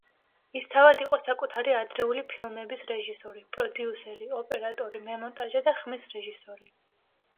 ის თავად იყო საკუთარი ადრეული ფილმების რეჟისორი, პროდიუსერი, ოპერატორი, მემონტაჟე და ხმის რეჟისორი.